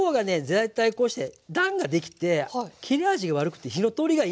大体こうして段ができて切れ味が悪くて火の通りがいいのよ。